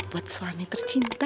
buat suami tercinta